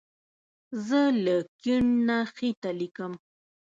زه له کیڼ نه ښي ته لیکم.